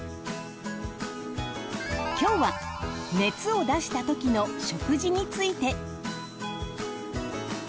今日は熱をだしたときの食事について。